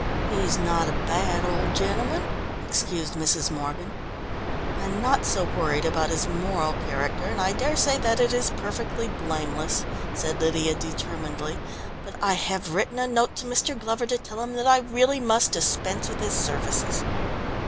"He's not a bad old gentleman," excused Mrs. Morgan. "I'm not so worried about his moral character, and I dare say that it is perfectly blameless," said Lydia determinedly, "but I have written a note to Mr. Glover to tell him that I really must dispense with his services."